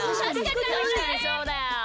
たしかにそうだよ！